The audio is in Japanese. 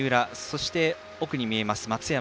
そして、奥に見えます、松山。